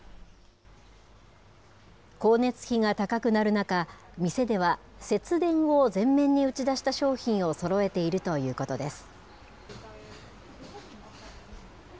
光熱費が高くなる中、店では節電を前面に打ち出した商品をそろえているということです。